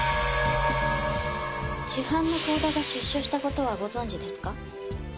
主犯の甲田が出所した事はご存じですか？